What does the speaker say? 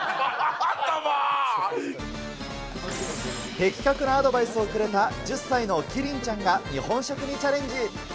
的確なアドバイスをくれた１０歳のキリンちゃんが日本食にチャレンジ。